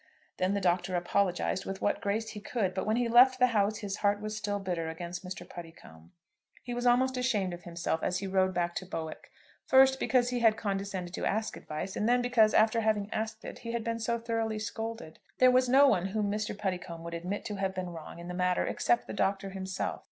Then the Doctor apologised with what grace he could. But when he left the house his heart was still bitter against Mr. Puddicombe. He was almost ashamed of himself as he rode back to Bowick, first, because he had condescended to ask advice, and then because, after having asked it, he had been so thoroughly scolded. There was no one whom Mr. Puddicombe would admit to have been wrong in the matter except the Doctor himself.